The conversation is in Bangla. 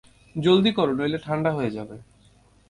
জলদি করো নইলে ঠাণ্ডা হয়ে যাবে।